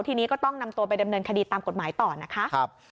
ทีนี้ก็ต้องนำตัวไปดำเนินคดีตามกฎหมายต่อนะคะ